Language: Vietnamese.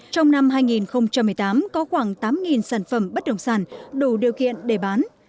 trong năm hai nghìn một mươi tám có khoảng tám sản phẩm bất động sản đủ điều kiện để bán